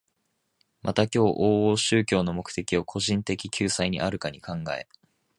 また今日往々宗教の目的を個人的救済にあるかに考え、